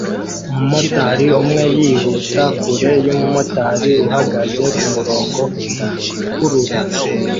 Umumotari umwe yihuta kure yumumotari uhagaze kumurongo ukurura